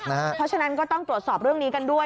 เพราะฉะนั้นก็ต้องตรวจสอบเรื่องนี้กันด้วย